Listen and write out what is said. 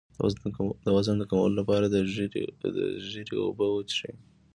د وزن د کمولو لپاره د زیرې اوبه وڅښئ